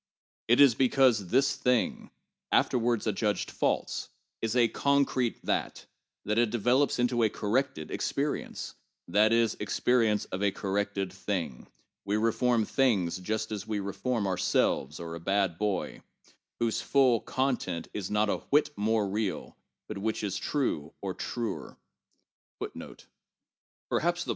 It is because this thing, afterwards adjudged false, is a concrete that, that it develops into a corrected experience (that is, experience of a corrected thingŌĆö we reform things just as we reform ourselves or a bad boy) whose full content is not a whit more real, but which is experienced as true or as truer.